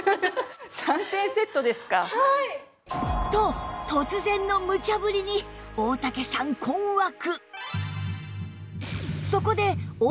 と突然のむちゃぶりに大武さん困惑